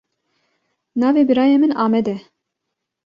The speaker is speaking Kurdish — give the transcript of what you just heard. Navê birayê min Amed e.